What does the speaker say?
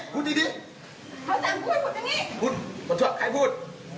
พูดพอชอบใครพูด